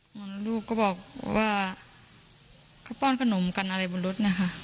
หนูก็บอกว่าเค้าป้อนขนมกันอะไรบนรถน่ะค่ะ